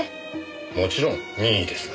もちろん任意ですが。